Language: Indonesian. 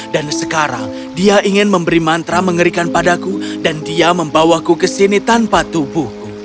dan sekarang dia ingin memberi mantra mengerikan padaku dan dia membawaku ke sini tanpa tubuhku